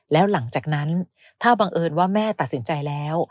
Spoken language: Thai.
แล้วหลังจากนั้นถ้าบังเอิญว่าแม่ตัดสินใจแล้ว